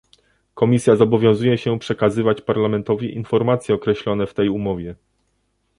Komisja zobowiązuje się przekazywać Parlamentowi informacje określone w tej umowie